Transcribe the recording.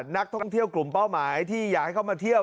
นักท่องเที่ยวกลุ่มเป้าหมายที่อยากให้เข้ามาเที่ยว